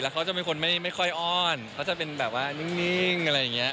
เขาจะเป็นคนไม่ค่อยอ้อนเขาจะเป็นแบบว่านิ่งอะไรอย่างนี้